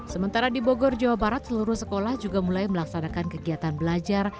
sementara di bogor jawa barat seluruh sekolah juga mulai melaksanakan kegiatan belajar